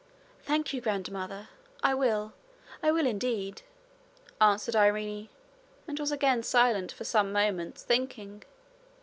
'Thank you, grandmother; I will I will indeed,' answered Irene, and was again silent for some moments thinking.